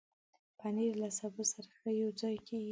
پنېر له سبو سره ښه یوځای کېږي.